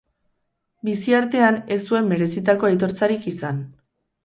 Bizi artean ez zuen merezitako aitortzarik izan.